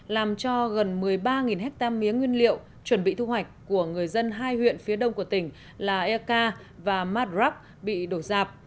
làm cho gần một mươi ba hectare mía nguyên liệu chuẩn bị thu hoạch của người dân hai huyện phía đông của tỉnh là eka và madrak bị đổ dạp